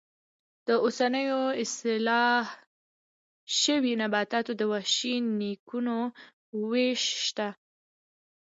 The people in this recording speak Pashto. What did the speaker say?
د اوسنیو اصلاح شویو نباتاتو د وحشي نیکونو وېش شته.